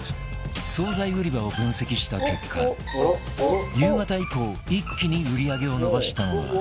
惣菜売り場を分析した結果夕方以降一気に売り上げを伸ばしたのは